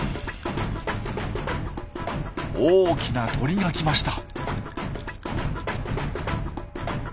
大きな鳥が来ました。